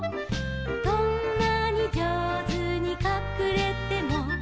「どんなに上手にかくれても」